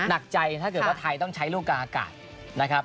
หนักใจถ้าเกิดว่าไทยต้องใช้ลูกกลางอากาศนะครับ